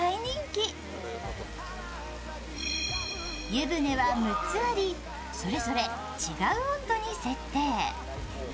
湯船は６つあり、それぞれ違う温度に設定。